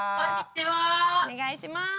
お願いします。